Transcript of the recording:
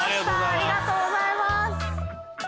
ありがとうございます。